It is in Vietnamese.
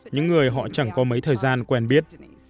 những người họ chẳng có mấy thời gian quen biết